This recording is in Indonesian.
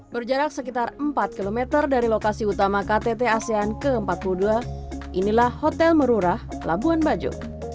berjarak sekitar empat km dari lokasi utama ktt asean ke empat puluh dua inilah hotel merurah labuan bajo